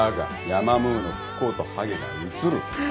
ヤマムーの不幸とはげがうつる。